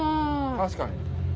確かに。